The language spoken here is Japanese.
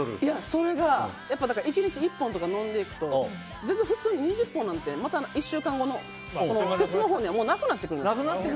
それが１日１本とか飲んでいくと全然普通に２０本なんて１週間後のケツのほうにはなくなってくるんですよ。